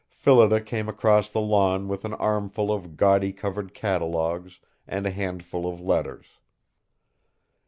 Phillida came across the lawn with an armful of gaudy covered catalogues and a handful of letters.